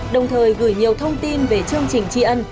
đồng thời gửi nhiều thông tin về chương trình tri ân